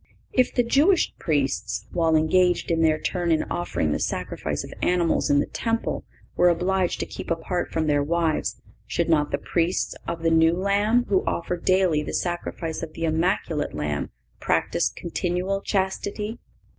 If the Jewish Priests, while engaged in their turn in offering the sacrifice of animals in the Temple, were obliged to keep apart from their wives, should not the Priests of the New Law, who offer daily the sacrifice of the Immaculate Lamb, practise continual chastity?